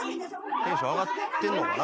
テンション上がってんのかな？